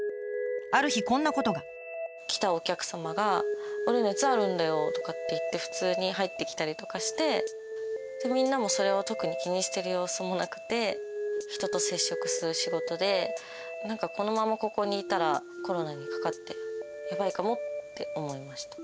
ある日こんなことが。来たお客様が「俺熱あるんだよ」とかって言って普通に入ってきたりとかしてみんなもそれを特に気にしてる様子もなくて人と接触する仕事で何かこのままここにいたらコロナにかかってやばいかもって思いました。